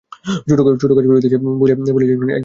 ছোট কাজ করিতেছে বলিয়াই যে একজন নিম্নস্তরের মানুষ, তাহা নয়।